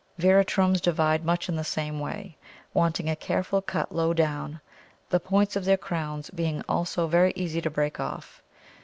Veratrums divide much in the same way, wanting a careful cut low down, the points of their crowns being also very easy to break off.